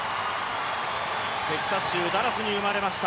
テキサス州に生まれました